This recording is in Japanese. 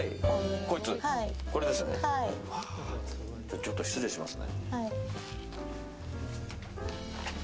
ちょっと失礼しますね。